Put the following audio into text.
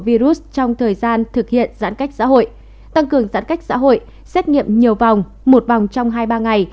virus trong thời gian thực hiện giãn cách xã hội tăng cường giãn cách xã hội xét nghiệm nhiều vòng một vòng trong hai ba ngày